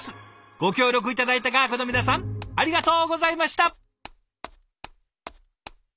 ご協力頂いた画伯の皆さんありがとうございました。